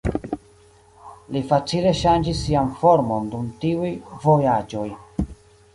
Li facile ŝanĝis sian formon dum tiuj vojaĝoj.